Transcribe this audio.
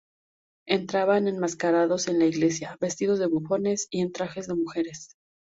Entraban enmascarados en la iglesia, vestidos de bufones y en trajes de mujeres.